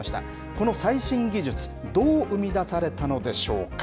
この最新技術、どう生み出されたのでしょうか。